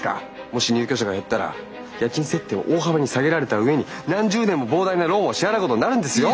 もし入居者が減ったら家賃設定を大幅に下げられた上に何十年も膨大なローンを支払うことになるんですよ。